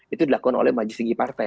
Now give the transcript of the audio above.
itu dilakukan oleh majelis tinggi partai